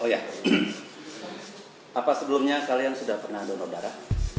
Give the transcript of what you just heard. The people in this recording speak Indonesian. oh ya apa sebelumnya kalian sudah pernah donor darah